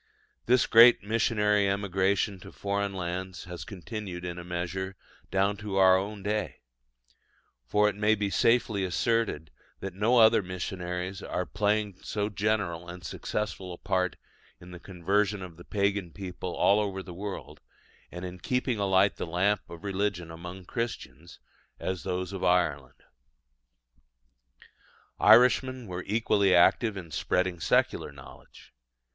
This great missionary emigration to foreign lands has continued in a measure down to our own day: for it may be safely asserted that no other missionaries are playing so general and successful a part in the conversion of the pagan people all over the world, and in keeping alight the lamp of religion among Christians, as those of Ireland. Irishmen were equally active in spreading secular knowledge.